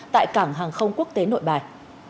tại cảng hàng không quốc tế nội bài